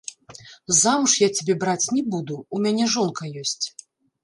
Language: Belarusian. Замуж я цябе браць не буду, у мяне жонка ёсць.